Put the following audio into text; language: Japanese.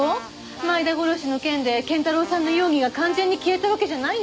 前田殺しの件で謙太郎さんの容疑が完全に消えたわけじゃないんだもの。